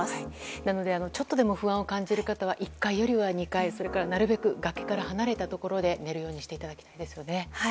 なのでちょっとでも不安を感じる方は１階よるは２階、それから崖から離れたところで、寝るようにしていただきたいですよね。